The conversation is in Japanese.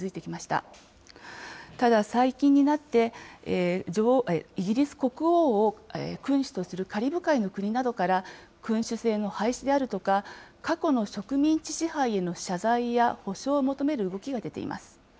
ただ、最近になって、イギリス国王を君主とするカリブ海の国などから、君主制の廃止であるとか、過去の植民地支配への謝罪や補償を求める動きが出ています。